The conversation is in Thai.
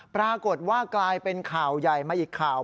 ปรากฏว่ากลายเป็นข่าวใหญ่มาอีกข่าว